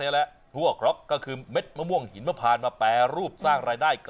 แหละทั่วคร็อกก็คือเม็ดมะม่วงหินมะพานมาแปรรูปสร้างรายได้